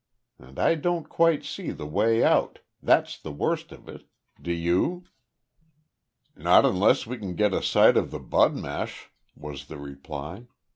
And I don't quite see the way out, that's the worst of it. Do you?" "Not unless we can get a sight on the budmash," was the reply.